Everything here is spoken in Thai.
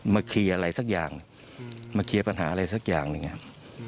เคลียร์อะไรสักอย่างมาเคลียร์ปัญหาอะไรสักอย่างหนึ่งครับ